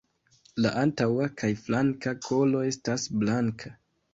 La antaŭa kaj flanka kolo estas blanka.